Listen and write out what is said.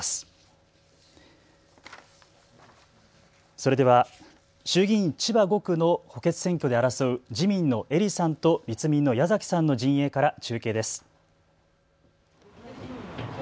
それでは、衆議院千葉５区補欠選挙で争う自民の英利さんと、立民矢崎さんの陣営から中継です。